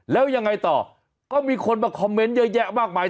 แล้วยังไงต่อก็มีคนมาคอมเมนต์เยอะแยะมากมาย